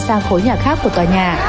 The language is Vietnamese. sang khối nhà khác của tòa nhà